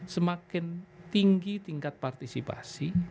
semakin tinggi tingkat partisipasi